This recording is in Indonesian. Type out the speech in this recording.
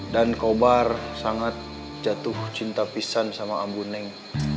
dan kobar sangat jatuh cinta pisang sama ambu neng